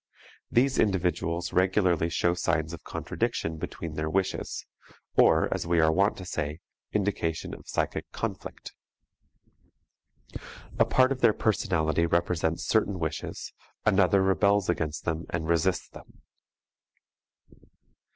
These individuals regularly show signs of contradiction between their wishes, or, as we are wont to say, indication of psychic conflict. A part of their personality represents certain wishes, another rebels against them and resists them.